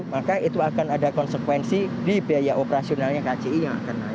maka itu akan ada konsekuensi di biaya operasionalnya kci yang akan naik